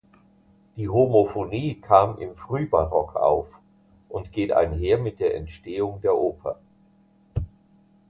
Die Homophonie kam im Frühbarock auf und geht einher mit der Entstehung der Oper.